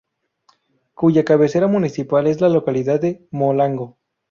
Cuya cabecera municipal es la localidad de Molango.